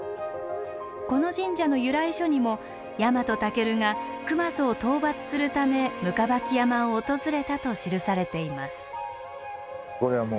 この神社の由来書にもヤマトタケルが熊襲を討伐するため行縢山を訪れたと記されています。